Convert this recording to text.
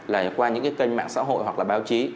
là qua những cái kênh mạng xã hội hoặc là báo chí